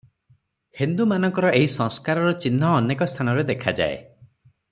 ହିନ୍ଦୁମାନଙ୍କର ଏହି ସଂସ୍କାରର ଚିହ୍ନ ଅନେକ ସ୍ଥାନରେ ଦେଖାଯାଏ ।